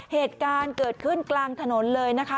เหตุการณ์เกิดขึ้นกลางถนนเลยนะคะ